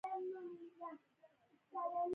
د افغانستان د کورونو پر سر هندارې نصب شوې دي.